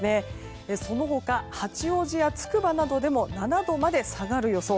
その他、八王子やつくばなどでも７度まで下がる予想。